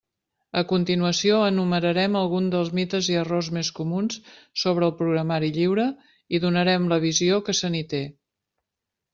A continuació enumerarem alguns dels mites i errors més comuns sobre el programari lliure i donarem la visió que se n'hi té.